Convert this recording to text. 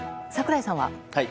櫻井さんは？